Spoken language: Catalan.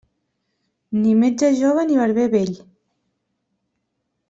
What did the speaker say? Ni metge jove ni barber vell.